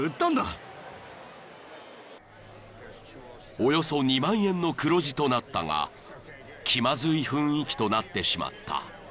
［およそ２万円の黒字となったが気まずい雰囲気となってしまった］